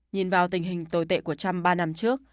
nhìn vào tình hình tồi tệ của trump ba năm trước